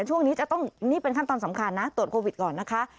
ช่วงนี้เป็นขั้นตอนสำคัญนะตรวจโควิดก่อนนะคะ